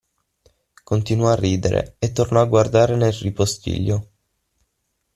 Continuò a ridere, e tornò a guardare nel ripostiglio.